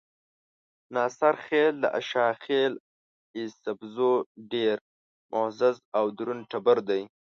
ناصرخېل د اشاخېل ايسپزو ډېر معزز او درون ټبر دے۔